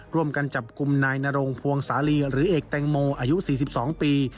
ร่วมกันจับกลุ่มนายนรงพวงสาลีหรือเอกแตงโมอายุ๔๒ปี